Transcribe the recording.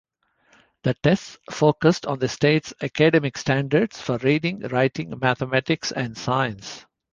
The tests focused on the state's Academic Standards for reading, writing, mathematics and science.